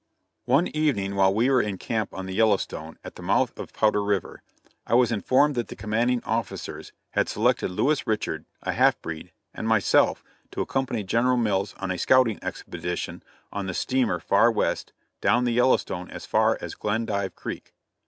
One evening while we were in camp on the Yellowstone at the mouth of Powder river, I was informed that the commanding officers had selected Louis Richard, a half breed, and myself to accompany General Mills on a scouting expedition on the steamer Far West, down the Yellowstone as far as Glendive Creek.